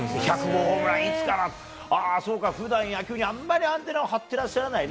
１００号ホームラン、いつかなって、あぁそうか、ふだん野球にあんまりアンテナを張ってらっしゃらない